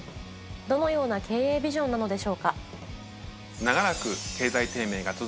どのような経営ビジョンなのでしょうか。